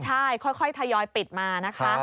ใช่ค่อยทยอยปิดมานะคะ